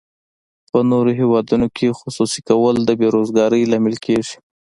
په نورو هیوادونو کې خصوصي کول د بې روزګارۍ لامل کیږي.